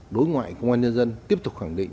đối ngoại công an nhân dân tiếp tục khẳng định